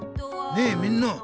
ねえみんな。